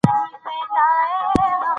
ژبې د افغان ماشومانو د لوبو موضوع ده.